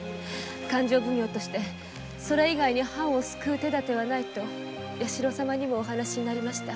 勘定奉行としてそれ以外に藩を救う手立てはないと弥四郎様にもお話になりました。